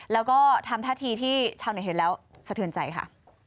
แล้วก็ทำท่าทีที่ชาวเน็ตเห็นแล้วสะเทือนใจค่ะ